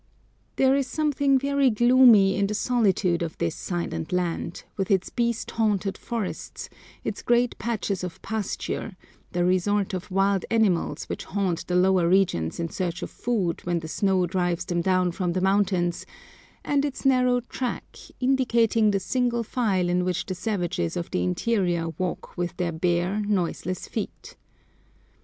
There is something very gloomy in the solitude of this silent land, with its beast haunted forests, its great patches of pasture, the resort of wild animals which haunt the lower regions in search of food when the snow drives them down from the mountains, and its narrow track, indicating the single file in which the savages of the interior walk with their bare, noiseless feet.